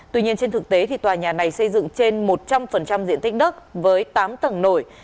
tuy nhiên trên thực tế tòa nhà này xây dựng trên một trăm linh diện tích đất với tám tầng nổi